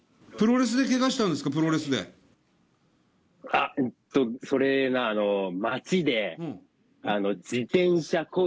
あっんとそれが街で。